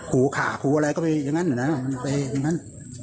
หูขาหูอะไรก็ไปอย่างนั้นอย่างนั้น